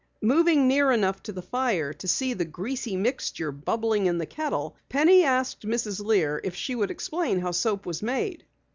Moving near enough to the fire to see the greasy mixture bubbling in the kettle, Penny asked Mrs. Lear if she would explain how soap was made.